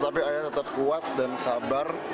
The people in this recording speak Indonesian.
tapi ayah tetap kuat dan sabar